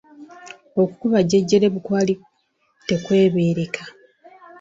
Okukuba Jjejjerebu kwali tekwebeereka.